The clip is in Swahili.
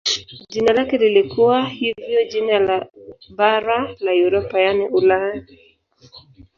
Jina lake lilikuwa hivyo jina la bara la Europa yaani Ulaya.